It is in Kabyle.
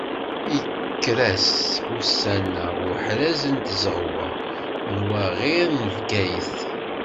Yekker-as ussan-a uḥraz n tẓegwa n waɣir n Bgayet.